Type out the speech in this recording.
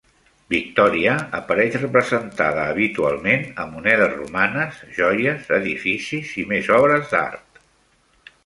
Victòria apareix representada habitualment a monedes romanes, joies, edificis i més obres d'art.